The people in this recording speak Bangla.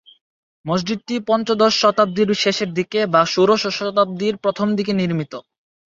মসজিদটি পঞ্চদশ-শতাব্দীর শেষের দিকে বা ষোড়শ-শতাব্দীর প্রথমদিকে নির্মিত।